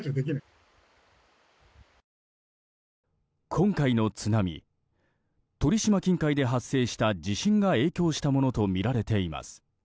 今回の津波鳥島近海で発生した地震が影響したものとみられています。